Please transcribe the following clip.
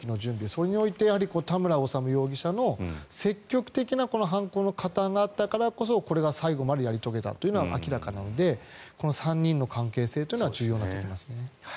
それにおいて、田村修容疑者の積極的な犯行の加担があったからこそこれが最後までやり遂げたというの明らかなので３人の関係性というのは重要になってきます。